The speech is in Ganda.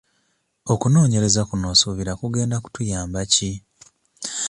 Okunoonyereza kuno osuubira kugenda kutuyamba ki?